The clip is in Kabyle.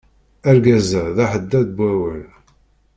Argaz-a, d aḥeddad n wawal.